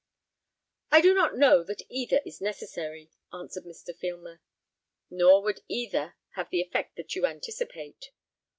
"I do not know that either is necessary," answered Mr. Firmer; "nor would either have the effect that you anticipate.